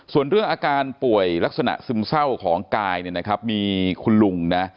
ส่วนเรื่องอาการป่วยลักษณะซึมเศร้าของกายมีคุณลุง